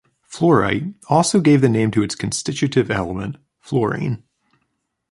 Fluorite also gave the name to its constitutive element fluorine.